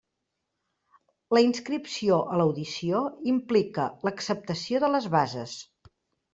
La inscripció a l'audició implica l'acceptació de les bases.